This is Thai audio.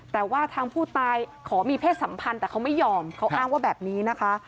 แต่ว่าทางผู้ตายขอมีเพศสัมพันธ์แต่เขาไม่ยอมเขาอ้างว่าแบบนี้นะคะ